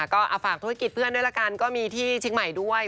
ก็ฝากธุรกิจเพื่อนด้วยละกันก็มีที่เชียงใหม่ด้วย